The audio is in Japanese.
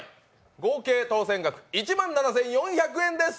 合計当せん額１万７４００円です。